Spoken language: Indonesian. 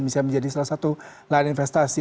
bisa menjadi salah satu lahan investasi